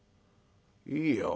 いいよ。